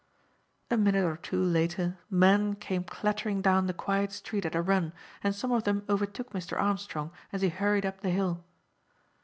A minute or two later, men came clattering down the quiet street at a run, and some of them overtook Mr. Armstrong as he hurried up the hill.